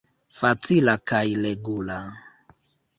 Facila kaj regula.